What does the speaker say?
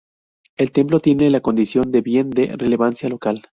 El templo tiene la condición de Bien de Relevancia Local.